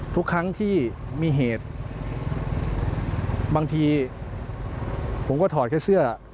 ทุกครั้งที่มีเหตุบางทีผมก็ถอดแค่เสื้อ